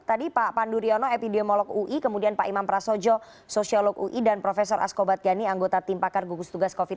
tadi pak panduryono epidemiolog ui kemudian pak imam prasojo sosiolog ui dan profesor askobat ghani anggota tim pakar gugus tugas covid sembilan belas